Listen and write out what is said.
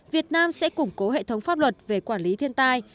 việt nam sẽ củng cố hệ thống pháp luật về quản lý thiên tai